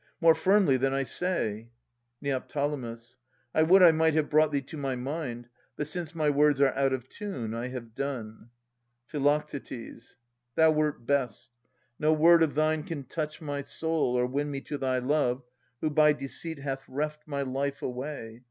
More firmly than I say. Ned. I would I might have brought thee to my mind. But since my words are out of tune, I have done. Phi. Thou wert best. No word of thine can touch my soul Or win me to thy love, who by deceit Hast reft my life away.